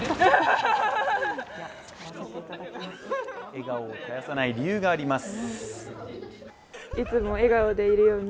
笑顔を絶やさない理由があります。